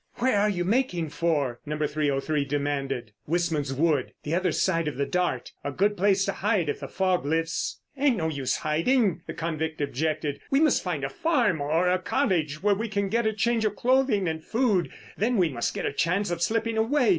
"Where are you making for?" No. 303 demanded. "Wistman's Wood, the other side of the Dart. A good place to hide if the fog lifts." "Ain't no use hiding," the convict objected. "We must find a farm or a cottage where we can get a change of clothing and food. Then we may get a chance of slipping away.